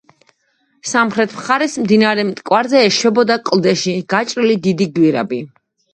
სამხრეთ მხარეს მდინარე მტკვარზე ეშვებოდა კლდეში გაჭრილი დიდი გვირაბი.